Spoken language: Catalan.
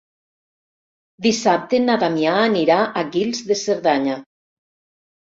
Dissabte na Damià anirà a Guils de Cerdanya.